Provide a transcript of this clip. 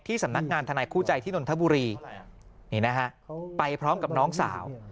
สำนักงานทนายคู่ใจที่นนทบุรีนี่นะฮะไปพร้อมกับน้องสาว